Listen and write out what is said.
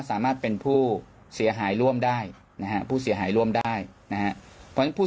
สามารถเป็นผู้เสียหายร่วมได้ผู้เสียหายร่วมได้ผู้